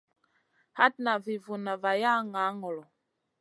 Hatna vi vunna vaya ŋaa ŋolo.